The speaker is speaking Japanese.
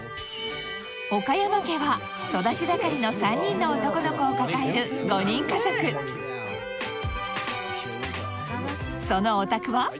岡山家は育ち盛りの３人の男の子を抱える５人家族そのお宅は？